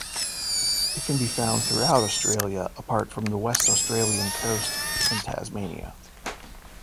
It can be found throughout Australia apart from the West Australian coast and Tasmania.